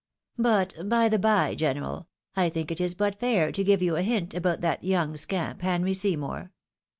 " But, by the by, general, I think it is but fair to give you a hint about that young scamp, Henry Seymour.